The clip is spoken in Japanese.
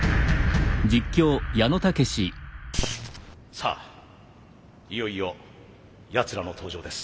さあいよいよやつらの登場です。